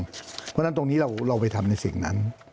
เพราะฉะนั้นตรงนี้เราไปทำในสิ่งนั้น